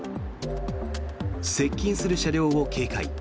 接近する車両を警戒。